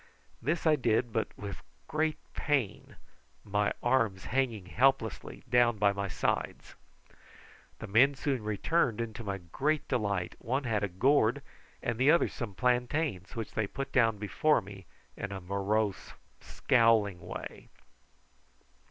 This I did, but with great pain, my arms hanging helplessly down by my sides. The men soon returned, and to my great delight one had a gourd and the other some plantains, which they put down before me in a morose, scowling way.